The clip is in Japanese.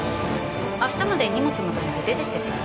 明日までに荷物まとめて出てってね。